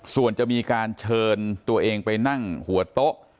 ส่วนจะมีการเชิญตัวเองไปนั่งหัวโต๊ะ